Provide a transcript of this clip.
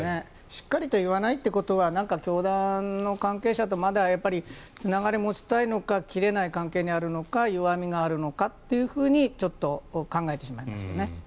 しっかりと言わないということは何か教団の関係者とまだつながりを持ちたいのか切れない関係にあるのか弱みがあるのかってちょっと考えてしまいますね。